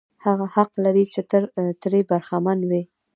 هغه حق لري چې ترې برخمن وي.